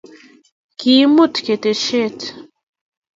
Kiimut keteshet